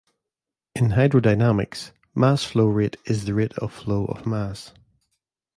In hydrodynamics, mass flow rate is the rate of flow of mass.